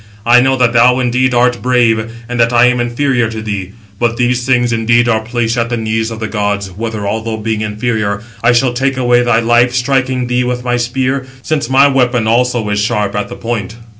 I know that thou indeed art brave, and that I am inferior to thee. But these things indeed are placed at the knees of the gods, whether, although being inferior, I shall take away thy life, striking thee with my spear, since my weapon also is sharp at the point."